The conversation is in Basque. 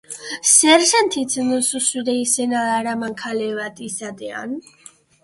Zer sentitzen duzu zure izena daraman kale bat izatean?